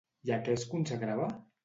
I a què es consagrava?